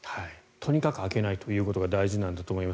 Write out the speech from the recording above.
とにかく開けないということが大事なんだと思います。